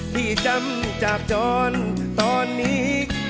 ที่จำจากจรตอนนี้